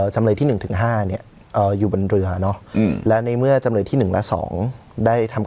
จำเลยที่๑๕อยู่บนเหลือแล้วในเมื่อจำเลยที่๑๒ได้ทำ